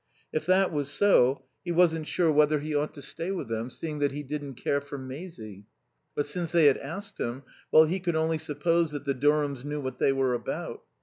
If that was so, he wasn't sure whether he ought to stay with them, seeing that he didn't care for Maisie. But since they had asked him, well, he could only suppose that the Durhams knew what they were about.